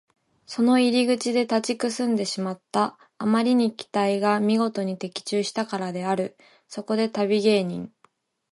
その入り口で立ちすくんでしまった。あまりに期待がみごとに的中したからである。そこで旅芸人